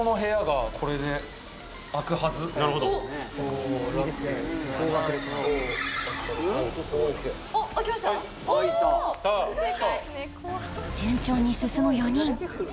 開いた順調に進む４人